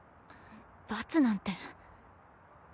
罰なんて。